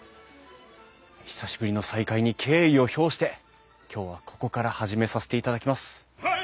久しぶりの再会に敬意を表して今日はここから始めさせていただきます。